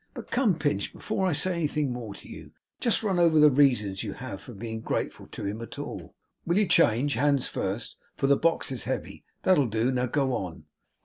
'But come, Pinch, before I say anything more to you, just run over the reasons you have for being grateful to him at all, will you? Change hands first, for the box is heavy. That'll do. Now, go on.